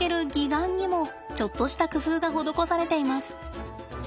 岩にもちょっとした工夫が施されています。